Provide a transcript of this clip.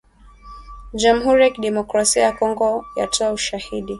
Jamhuri ya Kidemokrasia ya Kongo yatoa ushahidi